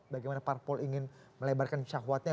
bagaimana parpol ingin melebarkan syahwatnya